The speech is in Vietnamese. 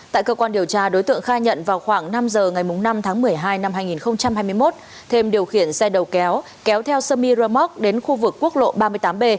tại cơ quan điều tra đối tượng khai nhận vào khoảng năm giờ ngày năm tháng một mươi hai năm hai nghìn hai mươi một thêm điều khiển xe đầu kéo kéo theo sami rơ móc đến khu vực quốc lộ ba mươi tám b